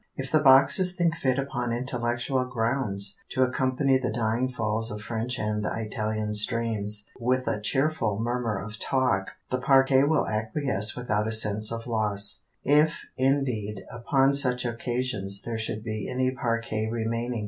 If the boxes think fit upon intellectual grounds to accompany the dying falls of French and Italian strains with a cheerful murmur of talk, the parquet will acquiesce without a sense of loss, if, indeed, upon such occasions there should be any parquet remaining.